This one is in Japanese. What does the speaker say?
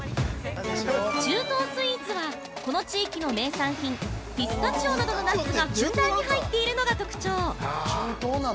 ◆中東スイーツは、この地域の名産品ピスタチオなどのナッツがふんだんに入っているのが特徴。